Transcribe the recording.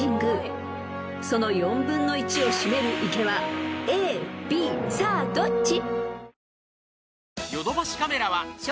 ［その４分の１を占める池はＡＢさあどっち？］